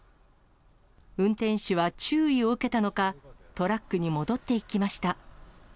運転手は注意を受けたのか、トラックに戻っていきました。